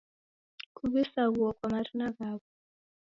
Kuw'isaghuo kwa marina ghaw'o